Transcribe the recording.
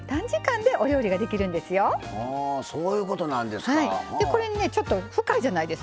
でこれねちょっと深いじゃないですか。